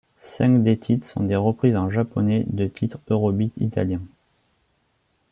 Cinq des titres sont des reprises en japonais de titres eurobeat italiens.